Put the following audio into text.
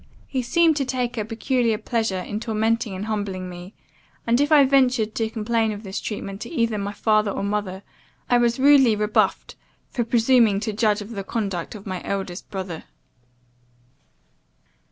He seemed to take a peculiar pleasure in tormenting and humbling me; and if I ever ventured to complain of this treatment to either my father or mother, I was rudely rebuffed for presuming to judge of the conduct of my eldest brother.